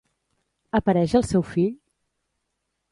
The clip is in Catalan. Apareix el seu fill?